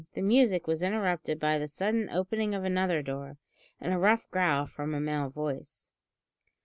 The music was interrupted by the sudden opening of another door, and a rough growl from a male voice.